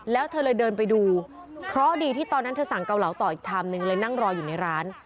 แล้วเธอเลยเดินไปดูเพราะดีที่ตอนนั้นเธอสั่งเกาเหลาต่ออีกชามนึงเลยนั่งรออยู่ในร้าน